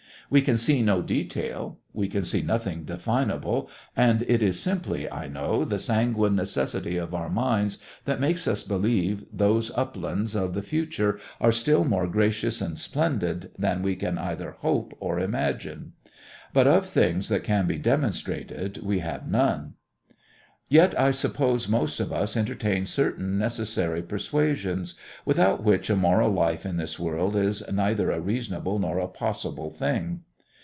We can see no detail, we can see nothing definable, and it is simply, I know, the sanguine necessity of our minds that makes us believe those uplands of the future are still more gracious and splendid than we can either hope or imagine. But of things that can be demonstrated we have none. Yet I suppose most of us entertain certain necessary persuasions, without which a moral life in this world is neither a reasonable nor a possible thing.